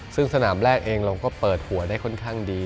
ซึ่งสนามแรกเองเราก็เปิดหัวได้ค่อนข้างดี